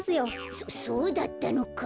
そそうだったのか。